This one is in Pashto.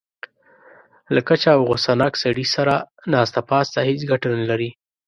له کچه او غوسه ناک سړي سره ناسته پاسته هېڅ ګټه نه لري.